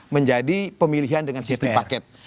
menjadi pemilihan dengan sistem paket